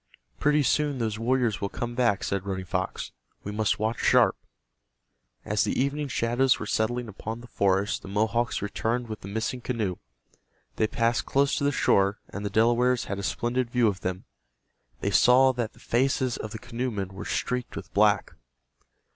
"Pretty soon those warriors will come back," said Running Fox. "We must watch sharp." As the evening shadows were settling upon the forest the Mohawks returned with the missing canoe. They passed close to the shore, and the Delawares had a splendid view of them. They saw that the faces of the canoemen were streaked with black.